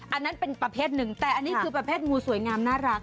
อันนั้นเป็นประเภทหนึ่งแต่อันนี้คือประเภทงูสวยงามน่ารัก